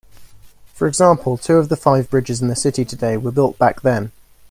For example, two of the five bridges in the city today were built back then.